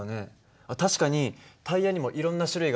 確かにタイヤにもいろんな種類がある。